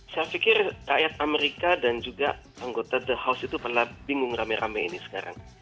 saya pikir rakyat amerika dan juga anggota the house itu pernah bingung rame rame ini sekarang